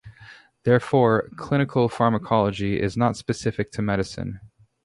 Therefore, clinical pharmacology is not specific to medicine.